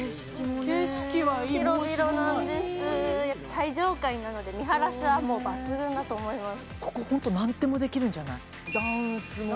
最上階なので見晴らしは抜群だと思います。